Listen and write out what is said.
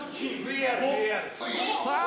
さあ